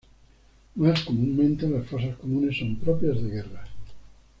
Más comúnmente, las fosas comunes son propias de guerras.